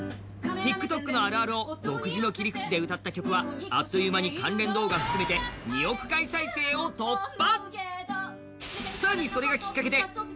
ＴｉｋＴｏｋのあるあるを独自の切り口で歌った楽曲はあっという間に関連動画を含めて２億回再生を突破。